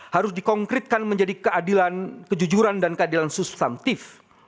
harus dikonkretkan menjadi keadilan kejujuran dan keadilan substantif